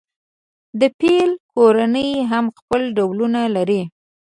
د فیل کورنۍ هم خپل ډولونه لري.